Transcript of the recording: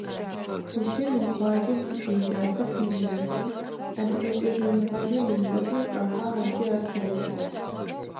Хъусен икъуаджэ дэт еджапӀэр къызеухым, Адыгэ кӀэлэегъэджэ еджапӀэм чӀэхьагъ ыкӀи ар къыухыгъ.